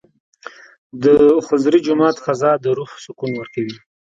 د خضري جومات فضا د روح سکون ورکوي.